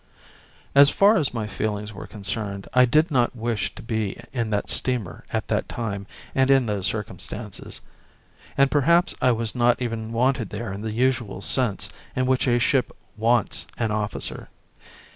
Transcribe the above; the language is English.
As far as my feelings were concerned I did not wish to be in that steamer at that time and in those circumstances. And perhaps I was not even wanted there in the usual sense in which a ship "wants" an officer.